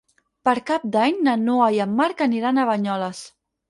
Per Cap d'Any na Noa i en Marc aniran a Banyoles.